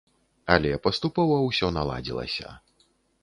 Але паступова ўсё наладзілася.